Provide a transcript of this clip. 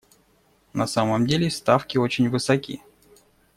На самом деле ставки очень высоки.